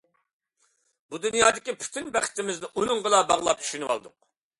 بۇ دۇنيادىكى پۈتۈن بەختىمىزنى ئۇنىڭغىلا باغلاپ چۈشىنىۋالدۇق.